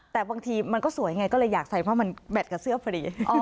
แต่บางทีมันก็สวยไงก็เลยอยากใส่เพราะมันแบตกับเสื้อฟรี